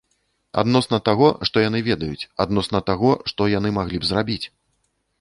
Адносна таго, што яны ведаюць, адносна таго, што яны маглі б зрабіць.